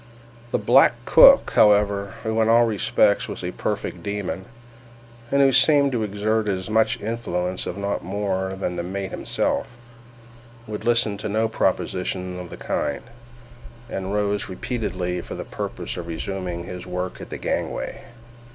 The black cook, however (who in all respects was a perfect demon, and who seemed to exert as much influence, if not more, than the mate himself), would listen to no proposition of the kind, and rose repeatedly for the purpose of resuming his work at the gangway.